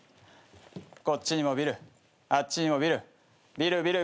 こっちにもビルあっちにもビルビルビルビルビル。